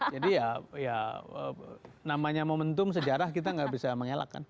jadi ya namanya momentum sejarah kita nggak bisa mengelakkan